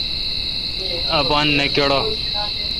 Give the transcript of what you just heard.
اپان نہ کڑہ۔